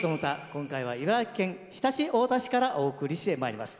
今回は茨城県常陸太田市からお送りしてまいります。